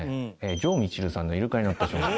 城みちるさんの『イルカにのった少年』。